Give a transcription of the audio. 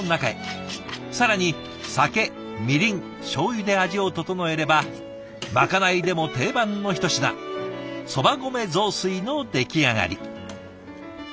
更に酒みりんしょうゆで味を調えればまかないでも定番のひと品そば米雑炊の出来上がり。